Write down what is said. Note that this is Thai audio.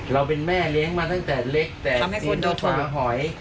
เราเป็นแม่เลี้ยงมาตั้งแต่เล็กแต่สิ้นที่ป่าหอย